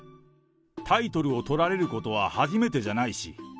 タイトルを取られることは初めてじゃないし。